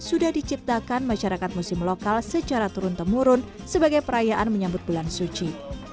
sudah diciptakan masyarakat muslim lokal secara turun temurun sebagai perayaan menyambut bulan suci